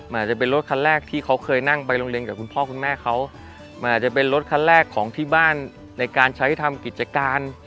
มันอาจจะเป็นรถคันแรกที่เขาเคยนั่งไปโรงเรียนกับคุณพ่อคุณแม่เขามันอาจจะเป็นรถคันแรกของที่บ้านในการใช้ทำกิจการ